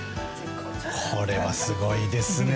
これは、すごいですね。